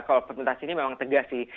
kalau freentas ini memang tegas sih